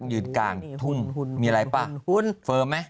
ยืนกลางหุ้นหุ้นมีอะไรป่ะหุ้นฟิร์มไหม